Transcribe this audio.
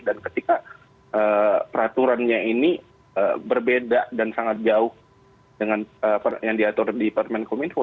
dan ketika peraturannya ini berbeda dan sangat jauh dengan yang diatur di permen kominfo